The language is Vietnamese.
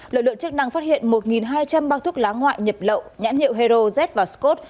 lực lượng chức năng phát hiện một hai trăm linh bao thuốc lá ngoại nhập lậu nhãn hiệu hero z và scott